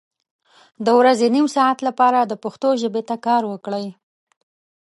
د ورځې نیم ساعت لپاره د پښتو ژبې ته کار وکړئ